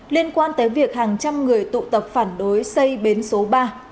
liên quan tới việc hàng trăm người tụ tập phản đối xây bến số ba cảng container long sơn